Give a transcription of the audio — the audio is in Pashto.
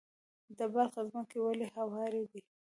د بلخ ځمکې ولې هوارې دي؟